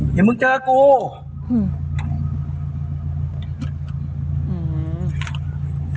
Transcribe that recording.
ได้อย่ามึงเจอกู